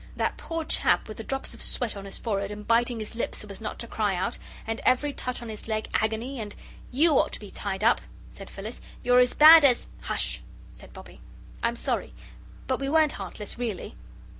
That poor chap, with the drops of sweat on his forehead, and biting his lips so as not to cry out, and every touch on his leg agony and " "YOU ought to be tied up," said Phyllis; "you're as bad as " "Hush," said Bobbie; "I'm sorry, but we weren't heartless, really."